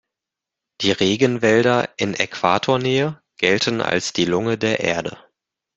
Die Regenwälder in Äquatornähe gelten als die Lunge der Erde.